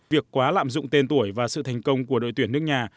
việc quá lạm dụng tên tuổi và sự thành công của đội tuyển nước nhà